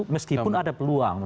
meskipun ada peluang